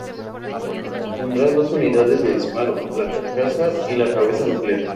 Tendría dos unidades de disparo: la carcasa y la cabeza nuclear.